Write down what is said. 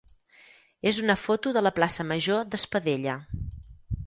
és una foto de la plaça major d'Espadella.